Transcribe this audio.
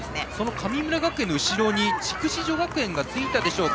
神村学園の後ろに筑紫女学園がついたでしょうか。